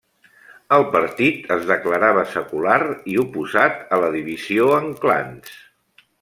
El partit es declarava secular i oposat a la divisió en clans.